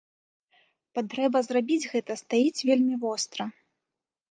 Патрэба зрабіць гэта стаіць вельмі востра.